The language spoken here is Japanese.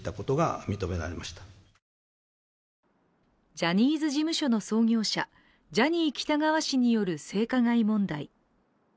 ジャニーズ事務所の創業者ジャニー喜多川氏による性加害問題。